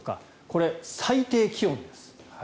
これ、最低気温です。